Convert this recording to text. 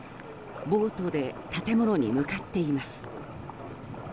ボートで建物に向かっています。